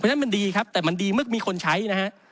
เพราะฉะนั้นมันดีครับแต่มันดีเมื่อมีคนใช้นะฮะ